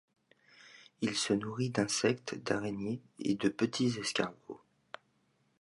Il se nourrit d'insectes, d'araignées et de petits escargots.